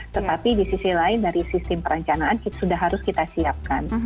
tetapi di sisi lain dari sistem perencanaan sudah harus kita siapkan